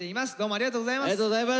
ありがとうございます。